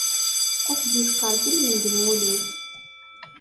Ad k-d-yefk Ṛebbi lmend n wul-im.